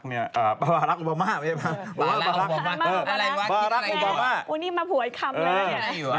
อันนี้มาหัวอีกคำเลย